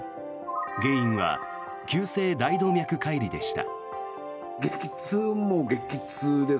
原因は急性大動脈解離でした。